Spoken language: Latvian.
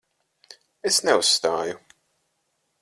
Es neuzstāju.